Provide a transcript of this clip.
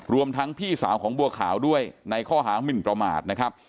ทั้งพี่สาวของบัวขาวด้วยในข้อหามินประมาทนะครับ